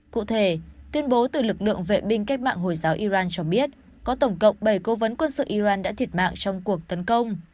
cụ thể tuyên bố từ lực lượng vệ binh cách mạng hồi giáo iran cho biết có tổng cộng bảy cố vấn quân sự iran đã thiệt mạng trong cuộc tấn công